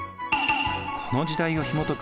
この時代をひもとく